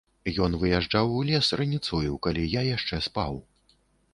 Ён выязджаў у лес раніцою, калі я яшчэ спаў.